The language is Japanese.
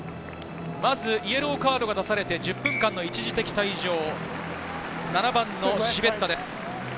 まずイエローカードが出されて１０分間の一時的退場、７番のシベッタです。